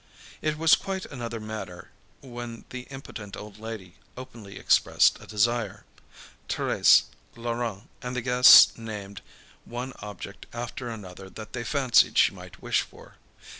It was quite another matter when the impotent old lady openly expressed a desire; Thérèse, Laurent, and the guests named one object after another that they fancied she might wish for.